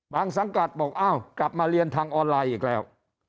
สังกัดบอกอ้าวกลับมาเรียนทางออนไลน์อีกแล้ว